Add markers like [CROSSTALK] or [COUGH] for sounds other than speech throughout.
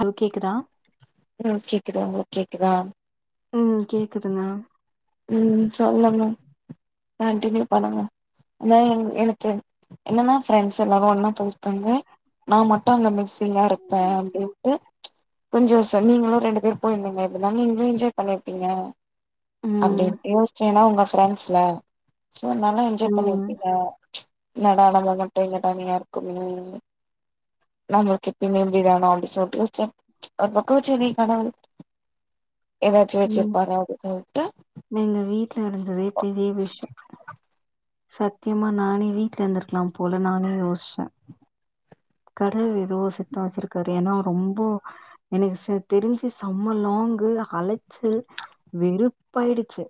Hello கேக்குதா ம் கேக்குது உங்களுக் கேக்குதா ம் கேக்குதுங்க ம் ம் சொல்லுங்க கன்டினியூ பண்ணுங்க அதா எங் எனக்கு என்னன்னா ஃப்ரெண்ட்ஸ் எல்லாரு ஒன்னா போய்ர்க்காங்க நா மட்டு அங்க மிக்ஸிங்கா இருப்பே அப்டின்ட்டு ப்ச் கொஞ்சோ சன்னிங்லா ரெண்டு பேர் போயிருந்தீங்க இப்ப நாங்ளு நீங்ளு என்ஜாய் பண்ணிருப்பீங்க அப்டி ம் இப்டி யோச்சேனா உங்க ஃப்ரெண்ஸ்ல சோ நல்லா என்ஜாய் ம் பண்ணிருப்பீங்க என்னாட நம்ப மட்டு இங்க தனியா இருக்கோமே நம்மளுக்கு எப்பேயுமே இப்டிதானா அப்டி சொல்ட்டு யோச்ச ப்ச் ஒரு பக்கோ சேரி கடவுள் எதாச்சு ம் வச்சிர்பாரா அப்டி சொல்ட்டு எங்க வீட்ல இருந்ததே பெரிய விஷ்யோ சத்தியமா நானே வீட்ல இர்ந்திருக்லா போல நானே யோச் கடவுள் எதோ சித்தோ வச்சிருக்காரு ஏனா ரொம்போ எனக்கு ச தெரிஞ்சி சம்மலோ ங்கு அலைச்சல் வெறுப்பாயிடுச்சு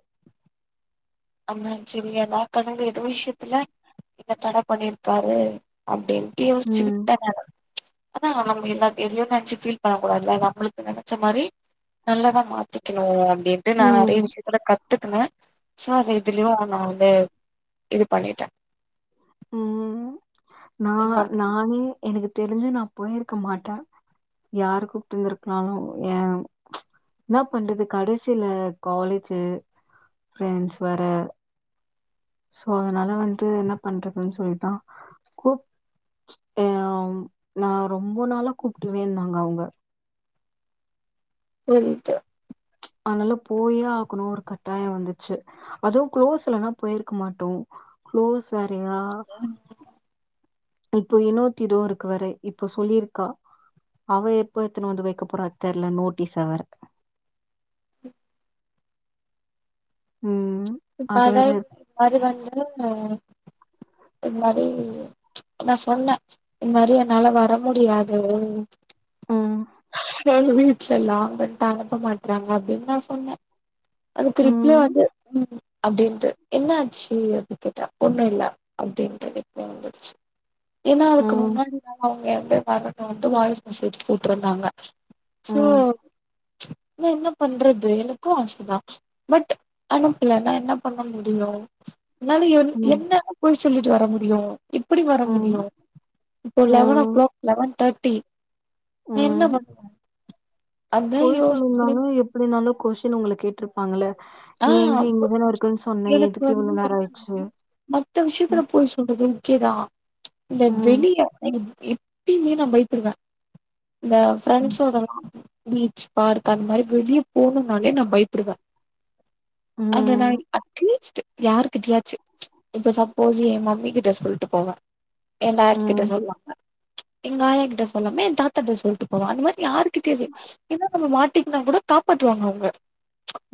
ஆமா செரி அதா கடவுள் எதோ விஷ்யத்துல இங்க தட பண்ணிர்க்காரு அப்டின் யோச்சி ம் விட்ட நானு அதா நம்ப எல்லாத் எதையோ நெனச்சி ஃபீல் பண்ண கூடாது அது நம்மளுக்கு நெனச்ச மாரி நல்லதா மாத்திக்குனு அப்டின்ட்டு நா நெறைய ம் விஷியத்துல கத்துக்கினே சோ அது இதுலியு நா வந்து இது பண்ணிட்டே ம் நா இந்த நானே எனக்கு தெரிஞ்சி நான் போயிருக்க மாட்டே யாரு கூப்ட்டு இந்திருக்கலாலு ஏ ப்ச் என்ன பண்றது கடசியில காலேஜு ஃப்ரெண்ட்ஸ் வேற சோ அதனால வந்து என்ன பண்றதுன் சொல்ட்டா கூப் ஆ நா ரொம்போ நாளா கூப்ட்டுருவேந்தாங்க அவுங்க போய்ட்டு அதனால போயே ஆக்கனு ஒரு கட்டாயோ வந்துச்சி அதுவு க்ளோஸ்லனா போய்ருக்க மாட்டோ க்ளோஸ் வேறையா ம். இப்போ இன்னோத்திதோ இருக்குவாரு இப்போ சொல்லியிருக்கா அவ எப்ப எத்துன்னு வந்து வக்க போறா தெர்ல நோட்டீஸ வேற ம் ம் இப்ப அது வேற அதாது இருக்கு. அது வந்து இந் மாரி நா சொன்னே இந் மாரி என்னால வர முடியாது ம். எங்க வீட்லல்லா [UNINTELLIGIBLE] அனுப்ப மாட்டறாங்க அப்டின் நா சொன்னே அது திருப்பியு ம். வந்து ம் அப்டின்ட்டு என்ன ஆச்சு அப்டி கேட்டா ஒண்ணு இல்ல அப்டின் [UNINTELLIGIBLE] ஏன்னா அதுக்கு ம். முன்னாடி நா அவுங்க வந்து வரனுன்ட்டு வந்து வாய்ஸ் மெசேஜ் போட்ருந்தாங்க சோ ம். நா என்ன பண்றது எனக்கு ஆசதா பட் அனுப்பல நா என்ன பண்ண முடியு அதுனால என் ம். என்னனு பொய் சொல்லிட்டு வர முடியு எப்பிடி வர ம். முடியு இப்போ லவன் ஓ ம். க்ளாக் லவன் தர்ட்டி நா என்ன ம். பண்ணுவே அதா பொய் யோசிச்சு சொல்லிருந்தாலு எப்டினாலு கொஷின் ஒங்கள கேட்ருப்பாங்கள ஆ நீ எங்க அப்ப இங்கதான இருக்கன் சொன்ன எனக்கு எதுக்கு வந்து இவ்ளோ நேரோ என்னன்னா ஆய்ச்சு மத்த விஷயத்துல பொய் சொல்றது ஓகேதா இந்த ம், வெளிய வெ எப்பயுமே நா பயப்புடுவே இந்த ம், ஃப்ரண்சோடலா பீச் பார்க் அந்த மாரி வெளிய போணுனாலே நா பயப்புடுவே அது நாய் ம், அட்லீஸ்ட்டு யாருகிட்டயாச்சு இப்ப சப்போஸ் எ மம்மி கிட்ட சொல்ட்டு போவே எ டாட் கிட்ட ம், சொல்லாம எங்க ஆயா கிட்ட சொல்லாம எ தாத்தாட்ட சொல்ட்டு போவே அந்த மாரி யாரு கிட்டயு சே ஏன்னா நம்ம மாட்டிகின்னா கூட காப்பாத்துவாங்க அவுங்க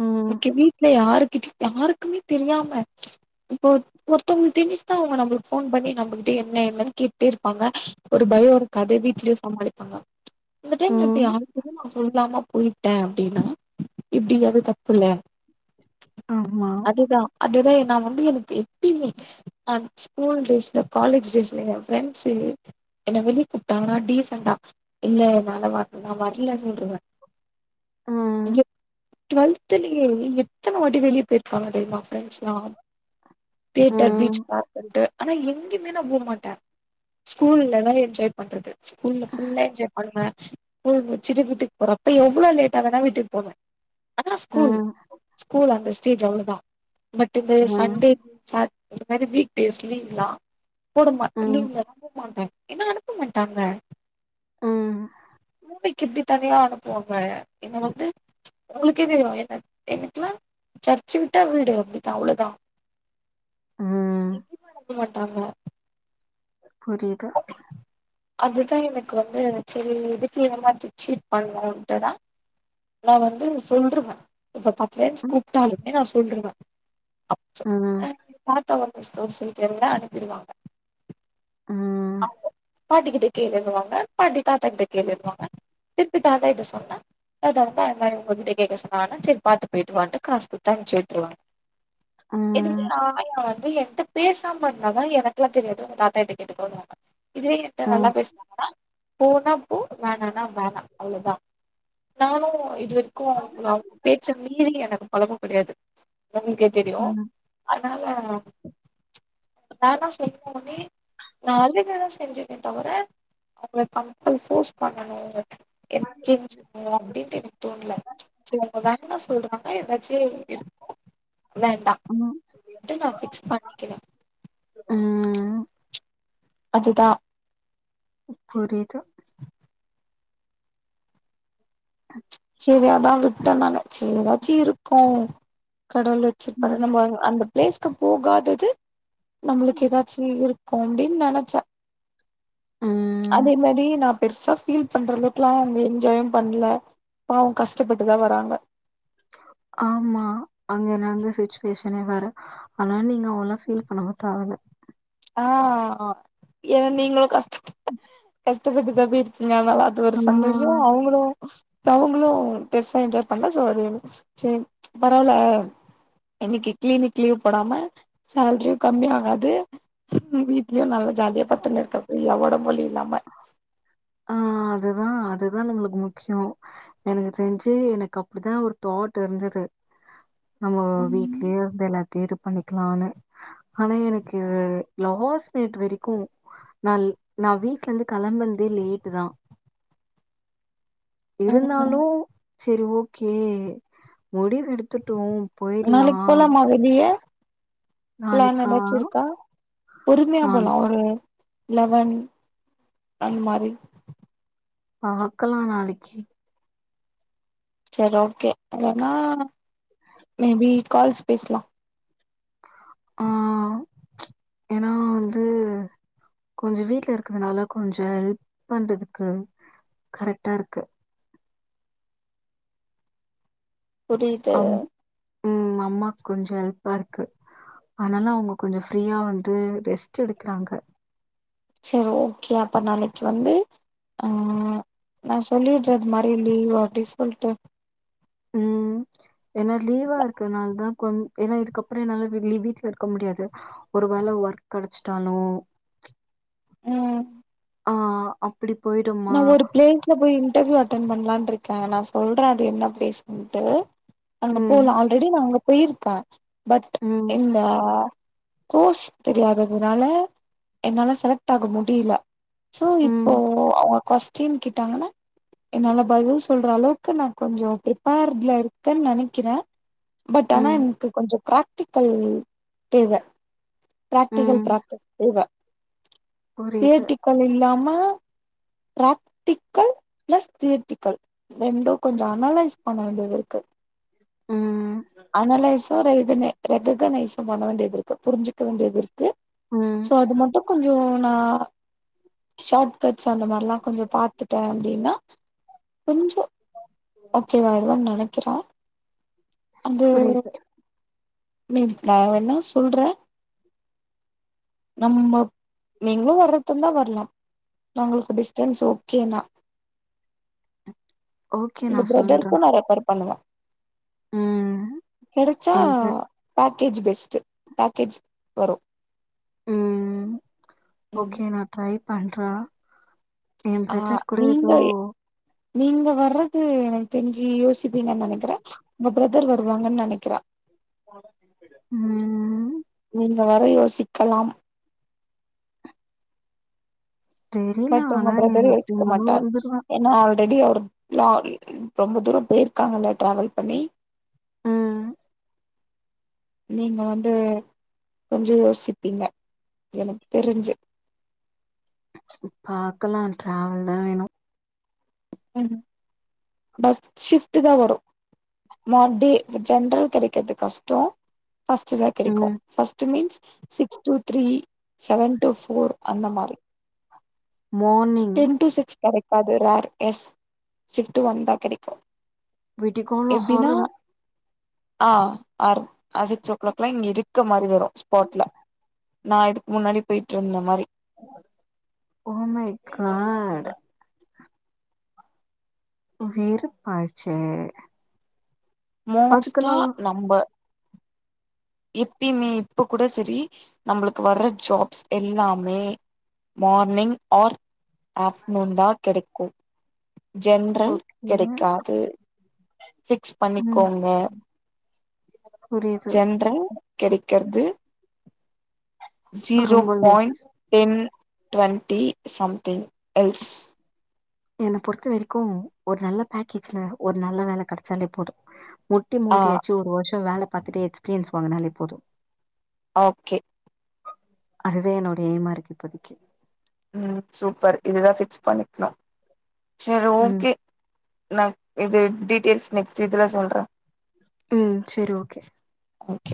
ம் கே வீட்ல யாருக்கிட்ட யாருக்குமே தெரியாம இப்ப ஒருத் ஒருத்தவுங்களுக்கு தெருஞ்சுச்சுனா அவுங்க நம்ம ஃபோன் பண்ணி நம்மகிட்ட என்ன என்னனு கேட்டே இருப்பாங்க ஒரு பயோ இருக்கு அதே வீட்லயே சமாளிப்பாங்க இந்த டைம்ல இப்ப ம். யாருகிட்டயு நா சொல்லாம போய்ட்டே அப்டின்னா எப்டி அது தப்புல ஆமா அதுதா நா வந்து எனக்கு எப்பயுமே அ ஸ்கூல் டேஸ்ல காலேஜ் டேஸ்ல எ ஃப்ரெண்ட்ஸு [UNINTELLIGIBLE] என வெளிய கூப்ட்டாங்கனா டீசண்டா இல்ல என்னால வர் நா வர்ல சொல்றுவே ஆ டுவல்துலயே எத்தன வாட்டி வெளிய போய்ருக்காங்க தெரிமா ஃப்ரண்ஸ்லா தேட்டர் பீச் ம், பார்க்குன்டு ஆனா எங்கயுமே நா போகமாட்டே ஸ்கூல்ல தா என்ஜாய் பண்றது ஸ்கூல்ல ஃபுல்லா என்ஜாய் பண்ணுவே ஸ்கூல் முச்சுட்டு வீட்டுக்கு போறப்ப எவளோ லேட்டா வேனா வீட்டுக்கு போவே அதா ஸ்கூல் ம், ஸ்கூல் அந்த ஸ்டேஜ் அவ்ளோதா பட் இந்த ம், சண்டே சாட் இந்த மாரி வீக் டேஸ் லீவ்லா போட மாட் ம், லீவ்லலா போமாட்டே ஏனா அனுப்ப மாட்டாங்க ஆ மும்பைக்கு எப்டி தனியா அனுப்புவாங்க என்ன வந்து ஒங்களுக்கே தெரியு என்ன எங்கிட்லா சர்ச்சு விட்டா வீடு அப்டிதா அவ்ளோதா ம் விட மாட்டாங்க புரிது அதுதா எனக்கு வந்து சரி எதுக்கு ஏமாத்தி சீட் பண்ணுட்டுதா நா வந்து சொல்றுவே இப்ப பத் பிரண்ட்ஸ் ம், கூப்ட்டாலுமே நா சொல்றுவே [INAUDIBLE] ம், ம், [UNINTELLIGIBLE] இருந்தா அனுப்பிடுவாங்க ஆ பாட்டிக்கிட்ட கேளுனுவாங்க பாட்டி தாத்தா கிட்ட கேளுன்வாங்க திருப்பி தாத்தா கிட்ட சொன்னா தாத்தா வந்து என்ன இவுங்ககிட்டே கேக்க சொல்வாங்க செரி பாத்து போய்ட்டு வான்ட்டு காசு குத் அம்ச்சு விட்ருவாங்க [UNINTELLIGIBLE] ம். ஏங்கிட்ட பேசாம இர்ந்நா தா எனக்குல்லா தெரியாது உ தாத்தாகிட்ட கேட்டுக்கோனு வாங்க இதே எ [INAUDIBLE] கிட்ட நல்லா ம், பேசுநாங்கனா போனா போ வேணனா வேணா அவ்ளோதா நானு இதுவரி க்கு அவுங்க பேச்ச மீறி எனக்கு பழகோ கெடயாது உங்களுக்கே தெரியு ம். அ தனால நா இன்னா [INAUDIBLE] செஞ்சனே தவிர அவுங்க கம்பல் போஸ் பண்ணணு கெஞ்சி கேக்ணு அப்டின்ட்டு எனக்கு தோணல செரி அவுங்க வேனா சொல்றாங்க னா எதாச்சி இருக்கு வேண்டா [INAUDIBLE] நா ஃபிக்ஸ் பண்ணிக்கிறே ம் அதுதா ம் புரிது செரி அதா விட்டோ நாங்க சே எதாச்சி இருக்கோ கடவுள் வெச்சுர்பாரு ம். நம்ப அந்த பிளேஸ்கு போகாதது நம்பளுக்கு எதாச்சி இருக்கு அப்டின் நெனச்ச ம். அதே மாரி நா பெருசா ஃபீல் பண்றளவுக்ல்லா அவுங்க என்ஜாயு பண்ல பாவோ கஸ்டபட்டுதா வராங்க ஆமா அங்க நந்த சிச்சுவேஷனே வேற ஆனா நீங்க அவ்ளோ ஃபீல் பண்ணவு தேவல ஆ ஏ நீங்ளு கஸ் ம் ட்டப்பட்டு தா போய் இருக்கீங்க அத்னால அது ஒரு சந்தோஷோ அவுங்களு ப்ப அவுங்களு பெருசா என்ஜாய் பண்ண சோ அது எனக் செரி பரவல இன்னிக்கி க்ளீனிக் லீவ் போடாம சேல்ரியு கம்மினாங்க அது வீட்ல்யு நல்லா ஜாலியா பத்துன் ருக்க ஃப்ரீயா ஒடம்பு வலி இல்லாம அதுதா அதுதா நம்ப்ளுக்கு முக்யோ எனக்கு தெர்ஞ்சி எனக்கு அப்டித்தா ஒரு தாட் இருந்துது நம்மோ ம் வீட்ல்யே வந்து எல்லாத்தியு இது பண்ணிக்கலானு ஆனா எனக்கு லாஸ் மினிட் வெரிக்கு நா நா வீ ட்லந்து கெளம்பன்தே லேட்டு தா இருந்தாலு ம் செரி ஓகே முடிவு எடுத்துட்டோ நாளைக் போலாமா வெளிய ப்ளான் நாளைக்கா எதாச்சு இருக்கா பொறுமையா போலா நாளைக்கு ஒரு லெவன் அந் மாரி பாக்கலா நாளிக்கி செர் ஓகே இல்லன்னா மேபி கால்ஸ் பேஸ்லா ஆ ஏனா வந்து கொஞ்சு வீட்ல இருக்கிறனால கொஞ்சோ ஹெல்ப் பண்றதுக்கு கரெக்டாருக்கு புரிது அம் ம் அம்மாக் கொஞ்சோ எல்ப்பாருக்கு அத்னால அவுங்க கொஞ்சோ ஃப்ரீயா வந்து ரெஸ்ட் எடுக்குறாங்க செர் ஓகே அப்ப நாளைக்கி வந்து ஆ நா சொல்லிட்றத் மாறி லீவு அப்டி சொல்ட்டு ம் ஏன்னா லீவா இருக்கனால்தா கொஞ் ஏன்னா இதுக்கப்றோ என்னால [UNINTELLIGIBLE] வீட்ல இருக்க முடியாது ஒரு வேல ஒர்க் கடச்சிட்டாலு ம் ஆ ஆ நா ஒரு ப்ளேஸ்ல போயி இன்ர்வியூ அட்டன் பண்லான்ருக்கே நா சொல்ற அது என்ன அப்டி சொல்ட்டு அங்க ம், போலா ஆல்ரெடி நா அங்க போயிருக்க பட் ம், இந்த கோர்ஸ் தெரியாததுனால என்னால செலக்ட் ஆக முடில சோ இப்போ ம், அவுங்க கொஸ்டின் கிட்டாங்கன்னா என்னால பதில் சொல்ற அளவுக்கு நா கொஞ்சோ ப்ரிப்பேர்ட்ல இருக்கென்னு நெனைக்கிறே பட் ஆனா ம், எனக்கு கொஞ்சோ ப்ராக்டிக்கல் தேவ ப்ராக்டிகல் ம். பிராக்டிஸ் தேவ புரியுது. தியேட்டிக்கல் இல்லாம ப்ராக்டிக்கல் ப்ளஸ் தியரிட்டிக்கல் ரெண்டு கொஞ்சோ அனலைஸ் பண்ண வேண்டியது இருக்கு ம் ம் அனலய்சு ரெயிடுமே ரெககனைய்ட்டு பண்ண வேண்டியது இருக்கு புரிஞ்சுக்க வேண்டியது இருக் கு ம். சோ அது மட்டு கொஞ்சோ நா ஷார்ட் கட்ஸ் அந்த மாரில்லா கொஞ்சோ பாத்துட்டே அப்டீன்னா கொஞ்சோ ஓகே வாய்டுவேனு நெனக்கிறே அது புரியுது. மே நா வேண்ணா சொல்றே நம்ம நீங்களு வர்றதுனா வர்லா உங்களுக்கு டிஸ்டன்ஸ் ஓகேனா ஓகே உங்க நான் சொல்றேன். பிரதருக்கு நா ரெஃபர் பண்ணுவே ம். கெடச்சா என் ப்ர பேக்கேஜ் பெஸ்ட்டு பேக்கேஜ் வரு ம் ம் ஓகே நா ட்ரை பண்ற ஏ ஆ ஃப்ரதர் கூட நீங்க எதோ நீங்க வர்றது எனக்கு தெரிஞ்சு யோசிப்பீங்கன்னு நெனக்கிற உங்க ஃப்ரதர் வருவாங்கன்னு நெனக்கிறே ம் ம் நீங்க வர யோசிக்கலாம் தெரில பட் உங்க ஆனா ஃப்ரதர் யோசிக்க எப்டினாலு மாட்டார் வந்துருவே ஏன்னா ஆல்ரெடி அவரு [UNINTELLIGIBLE] ரொம்ப தூரோ போயிருக்காங்கல்ல ட்ராவல் பண்ணி ம் நீங்க வந்து கொஞ்சொ யோசிப்பீங்க எனக்கு தெருஞ்சு பாக்கலா ட்ராவெல் தா வேணு ம் பஸ் ஷிஃப்ட் தா வரு மறுப்டி ஜென்ரல் கெடைக்கற்து கஷ்டோ பர்ஸ்ட் தா கெடைக்கு ம் first means six to three seven to four அந்த மாரி மார்னிங் டென் டூ சிக்ஸ் கெடைக்காது ரார் எஸ் ஷிபிட் ஒன் தா கெடைக்கு வீட்டிக் கோள்ளா எப்டின்னா ஹறும் ஆ அர் அ சிக்ஸ் ஓ க்ளாக்லா இங்க இருக்க மாரி வரு ஸ்பாட்ல நா இதுக்கு முன்னாடி பொயிட்ருந்த மாரி ஓ மை காட் உயிர் பாய்ச்சே மோஸ்டா நம்ப இப்பையுமே இப்ப கூட செரி நம்மளுக்கு வர்ற ஜாப்ஸ் எல்லாமே மார்னிங் ஆர் ஆஃப்டர்நூன் தா கெடைக்கு ஜென்ரல் ஓகே கெடைக்காது பிக்ஸ் ம் பண்ணிக்கோங்க புரியுது ஜென்றல் கெடைக்கற்து ஜீரோ ரொம்ப less point ten twenty something else என்ன பொறுத்த வரிக்கு ஒரு நல்ல பேக்கேஜ்ல ஒரு நல்ல வேல கடச்சாலே போது முட்டி ஆ மோதியாச்சு ஒரு வர்ஷ வேல பார்த்துட்டே எக்ஸ்பீரியன்ஸ் வாங்கனாலே போது ஓகே அதுதா என்னோடைய ஏமா இருக்கு இப்போதிைக்கு ம் சூப்பர் இதுதா பிக்ஸ் பண்ணிக்னு செரி ம். ஓகே நா இது டீடெய்ல்ஸ் நெக்ஸ்ட் இதுல சொல்ற ம் செரி ஓகே ஓகே